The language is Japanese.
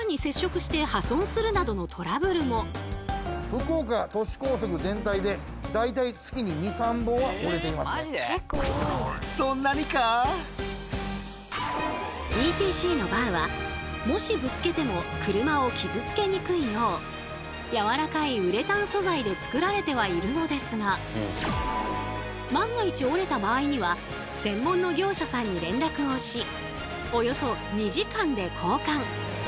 近年急速に普及したＥＴＣによりＥＴＣのバーはもしぶつけても車を傷つけにくいよう柔らかいウレタン素材でつくられてはいるのですが万が一折れた場合には専門の業者さんに連絡をしおよそ２時間で交換。